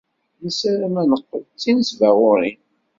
Nessaram ad neqqel d tinesbaɣurin.